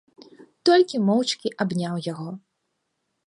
Толькі моўчкі абняў яго.